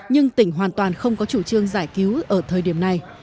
nhưng tỉnh hoàn toàn không có chủ trương giải cứu ở thời điểm này